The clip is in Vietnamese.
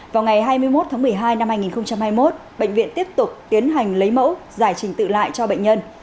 vào ngày hai mươi một tháng một mươi hai năm hai nghìn hai mươi một bệnh viện tiếp tục tiến hành lấy mẫu giải trình tự lại cho bệnh nhân